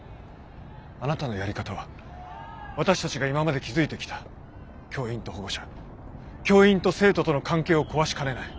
あなたのやり方は私たちが今まで築いてきた教員と保護者教員と生徒との関係を壊しかねない。